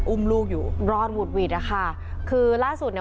อุ้มลูกอยู่รอดหวุดหวิดอ่ะค่ะคือล่าสุดเนี่ย